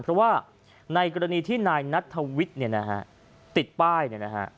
เพราะว่าในกรณีที่นายนัทธวิทย์เนี่ยนะฮะติดป้ายเนี่ยนะฮะ